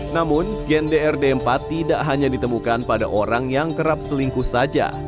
namun gen drd empat tidak hanya ditemukan pada orang yang kerap selingkuh saja